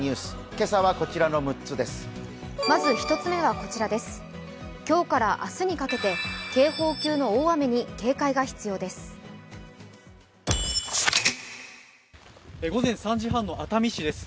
今日から明日にかけて、警報級の大雨に警戒が必要です。